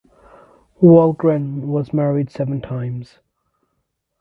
Wahlgren was married seven times.